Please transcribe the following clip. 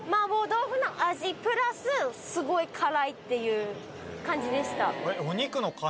プラスすごい辛いっていう感じでした。